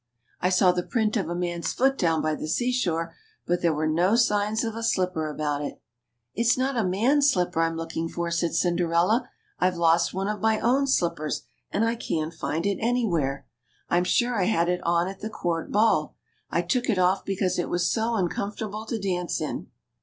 I saw the print of a man's foot down by the seashore, but there were no signs of a slipper about it." CINDERELLA UP TO DATE. 17 Tilt's not a man's slipper I'm looking for/' said Cinderella ; I've lost one of my own slippers, and I can't find it anywhere. I'm sure I had it on at the court ball ; I took it off because it was so uncom fortable to dance in."